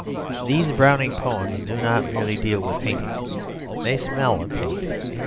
These Browning poems do not merely deal with painting; they smell of paint.